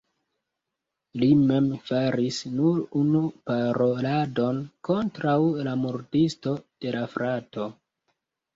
Li mem faris nur unu paroladon kontraŭ la murdisto de la frato.